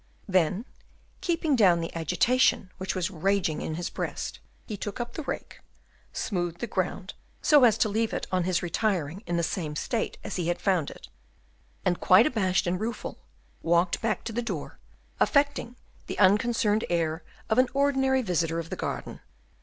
Then, keeping down the agitation which was raging in his breast, he took up the rake, smoothed the ground, so as to leave it on his retiring in the same state as he had found it, and, quite abashed and rueful, walked back to the door, affecting the unconcerned air of an ordinary visitor of the garden."